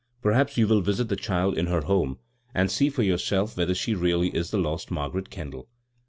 Perhaps you will visit the child in her home, and see for yourself whether she really is the lost Mar garet Kendal).